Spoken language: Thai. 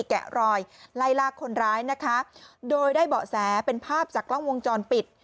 แกะรอยไล่ลากคนร้ายนะคะโดยได้เบาะแสเป็นภาพจากกล้องวงจรปิด